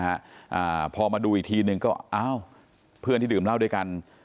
อ่าพอมาดูอีกทีหนึ่งก็อ้าวเพื่อนที่ดื่มเหล้าด้วยกัน